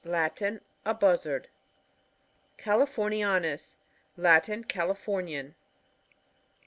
— Latin. A Buzzard. Californianus. — Latin. Califbrnian.